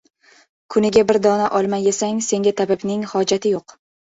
• Kuniga bir dona olma yesang, senga tabibning hojati yo‘q.